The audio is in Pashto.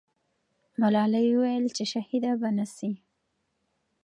ملالۍ وویل چې شهیده به نه سي.